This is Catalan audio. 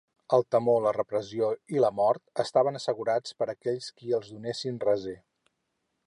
El temor, la repressió i la mort estaven assegurats per aquells qui els donessin recer.